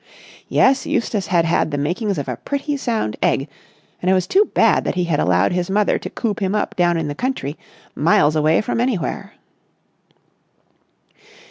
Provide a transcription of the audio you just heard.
Yes, Eustace had had the makings of a pretty sound egg, and it was too bad that he had allowed his mother to coop him up down in the country, miles away from anywhere.